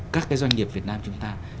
các cái doanh nghiệp việt nam chúng ta